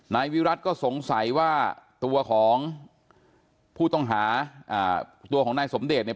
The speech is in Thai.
นายวิรัติก็สงสัยว่าตัวของผู้ต้องหาตัวของนายสมเดชเนี่ย